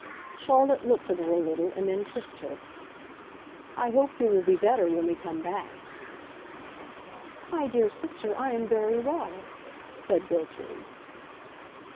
Charlotte looked at her a little, and then kissed her. "I hope you will be better when we come back." "My dear sister, I am very well!" said Gertrude.